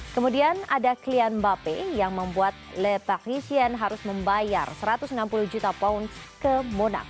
kemudian ada kylian mbappe yang membuat le parisien harus membayar satu ratus enam puluh juta pound ke monaco